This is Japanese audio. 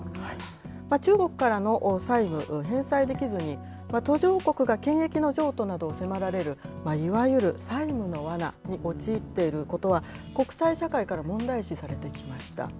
中国からの債務、返済できずに、途上国が権益の譲渡などを迫られる、いわゆる債務のわなに陥っていることは、国際社会から問題視されてきました。